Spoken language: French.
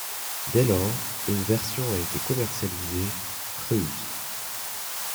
Dès lors une version a été commercialisée Cruise.